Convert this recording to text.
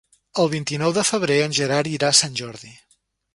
El vint-i-nou de febrer en Gerard irà a Sant Jordi.